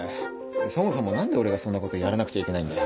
そもそも何で俺がそんなことやらなくちゃいけないんだよ。